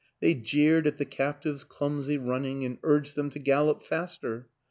They jeered at the captives' clumsy running and urged them to gallop faster.